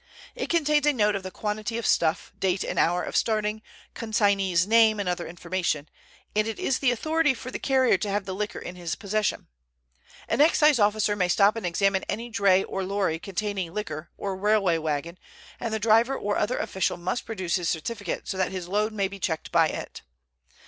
It contains a note of the quantity of stuff, date and hour of starting, consignee's name and other information, and it is the authority for the carrier to have the liquor in his possession. An Excise officer may stop and examine any dray or lorry carrying liquor, or railway wagon, and the driver or other official must produce his certificate so that his load may be checked by it.